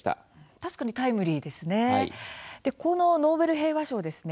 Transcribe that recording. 確かにタイムリーですね。